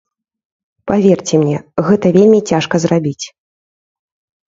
Паверце мне, гэта вельмі цяжка зрабіць.